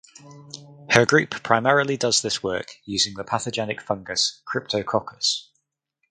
Her group primarily does this work using the pathogenic fungus "Cryptococcus".